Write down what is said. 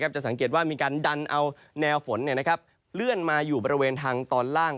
จะสังเกตว่ามีการดันเอาแนวฝนเลื่อนมาอยู่บริเวณทางตอนล่าง